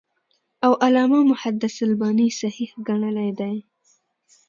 او علامه محدِّث الباني صحيح ګڼلی دی .